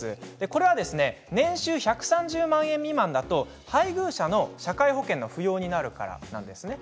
これは年収１３０万円未満だと配偶者の社会保険の扶養になるからなんですね。